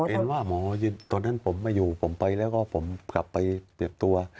เห็นว่าหมอตอนนั้นผมไม่อยู่ผมไปแล้วก็ผมกลับไปเตรียมตัว